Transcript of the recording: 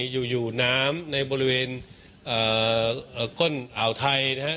อยู่อยู่น้ำในบริเวณเอ่อก้นอ่าวไทยนะฮะ